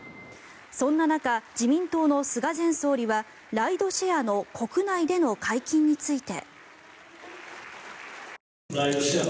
そんな中、自民党の菅前総理はライドシェアの国内での解禁について。